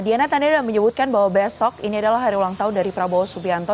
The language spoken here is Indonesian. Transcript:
diana tadi sudah menyebutkan bahwa besok ini adalah hari ulang tahun dari prabowo subianto